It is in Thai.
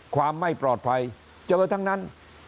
ความไม่ปลอดภัยเจอทั้งนั้น